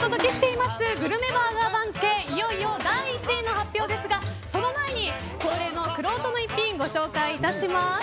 いよいよ第１位の発表ですがその前に恒例のくろうとの逸品ご紹介します。